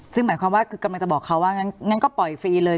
ซึ่งหมายความว่าคือกำลังจะบอกเขาว่างั้นก็ปล่อยฟรีเลย